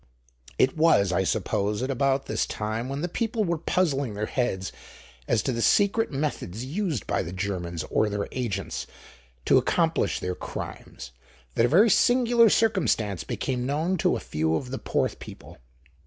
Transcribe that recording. It was, I suppose, at about this time when the people were puzzling their heads as to the secret methods used by the Germans or their agents to accomplish their crimes that a very singular circumstance became known to a few of the Porth people.